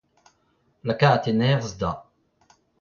lakaat e nerzh da